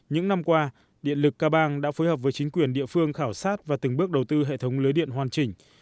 những năm qua điện lực ca bang đã phối hợp với chính quyền địa phương khảo sát và từng bước đầu tư hệ thống lưới điện hoàn chỉnh